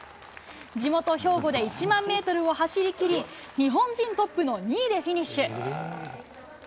地元、兵庫で１万メートルを走りきり、日本人トップの２位でフィニッシュ。